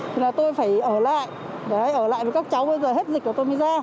thì là tôi phải ở lại ở lại với các cháu bây giờ hết dịch của tôi mới ra